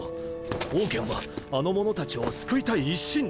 オウケンはあの者たちを救いたい一心で。